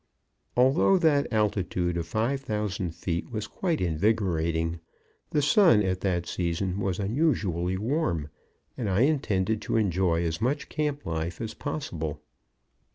Although that altitude of 5,000 feet was quite invigorating, the sun at that season was unusually warm, and I intended to enjoy as much camp life as possible.